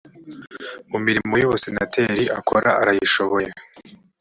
mu mirimo y ubusenateri akora arayishoboye